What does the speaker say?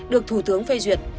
được thủ tướng phê duyệt